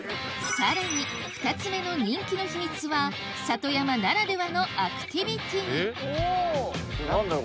さらに２つ目の人気の秘密は里山ならではのアクティビティ何だろう？